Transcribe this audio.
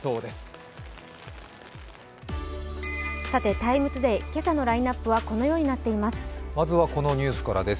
「ＴＩＭＥ，ＴＯＤＡＹ」今日のラインナップはこのようになっています。